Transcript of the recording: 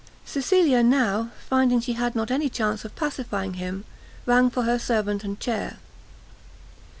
Cecilia now, finding she had not any chance of pacifying him, rang for her servant and chair.